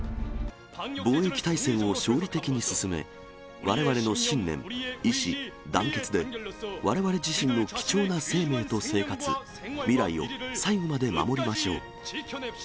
防疫大戦を勝利的に進め、われわれの信念、意志、団結で、われわれ自身の貴重な生命と生活、未来を最後まで守りましょう。